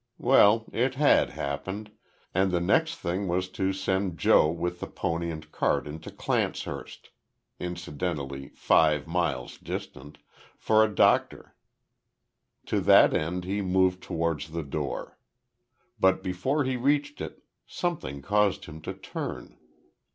Well, it had happened, and the next thing was to send Joe with the pony and cart into Clancehurst incidentally five miles distant for a doctor. To that end he moved towards the door. But before he reached it something caused him to turn.